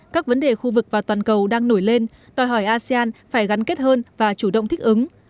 các vấn đề khu vực và toàn cầu đang nổi lên đòi hỏi asean phải gắn kết hơn và chủ động thích ứng